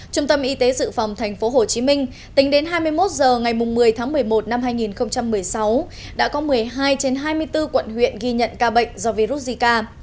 trung tâm y tế dự phòng tp hcm tính đến hai mươi một h ngày một mươi tháng một mươi một năm hai nghìn một mươi sáu đã có một mươi hai trên hai mươi bốn quận huyện ghi nhận ca bệnh do virus zika